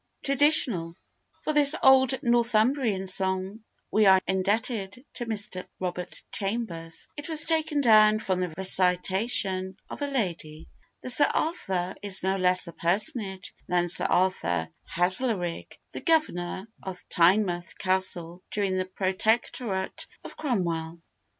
(TRADITIONAL.) [FOR this old Northumbrian song we are indebted to Mr. Robert Chambers. It was taken down from the recitation of a lady. The 'Sir Arthur' is no less a personage than Sir Arthur Haslerigg, the Governor of Tynemouth Castle during the Protectorate of Cromwell.